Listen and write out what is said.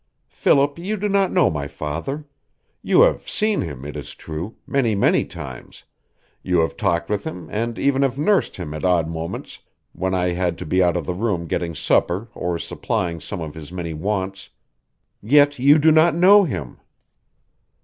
Philip, you do not know my father. You have seen him, it is true, many, many times. You have talked with him and even have nursed him at odd moments, when I had to be out of the room getting supper or supplying some of his many wants. Yet you do not know him."